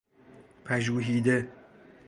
پژوهیده